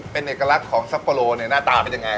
เป็นเอกลักษณ์ของซัปโปโลเนี่ยหน้าตาเป็นยังไง